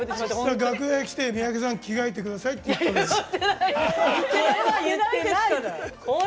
楽屋に来られて三宅さん、着替えてくださいって言われた。